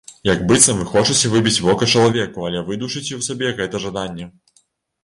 Як быццам вы хочаце выбіць вока чалавеку, але вы душыце ў сабе гэта жаданне.